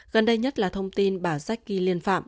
gần đây nhất là thông tin bà shecki liên phạm